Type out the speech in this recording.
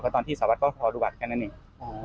ก็ตอนที่สวรรค์ก็ขอดูบัตรแค่นั้นเอง